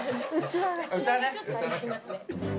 器ね。